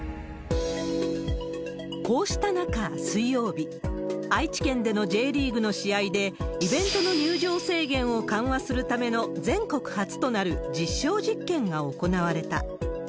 こうした中、水曜日、愛知県でのＪリーグの試合で、イベントの入場制限を緩和するための、全国初となる実証実験が行われた。